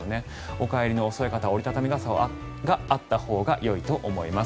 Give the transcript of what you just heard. お帰りの遅い方は折り畳み傘があったほうがいいと思います。